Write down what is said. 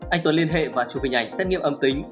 anh tuấn liên hệ và chụp hình ảnh xét nghiệm âm tính